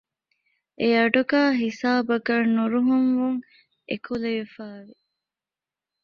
އެއަޑުގައި ހިސާބަކަށް ނުރުހުންވުން އެކުލެވިފައިވި